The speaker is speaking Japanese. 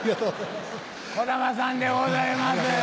こだまさんでございます。